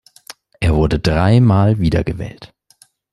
Er wurde dreimal wiedergewählt.